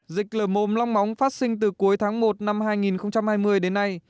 dịch lở mồm long móng phát sinh từ cuối tháng một năm hai nghìn hai mươi đến nay